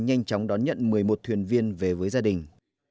nhận một mươi một thuyền viên về với gia đình